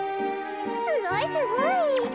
すごいすごい。